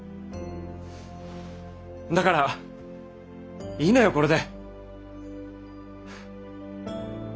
だからいいのよこれで。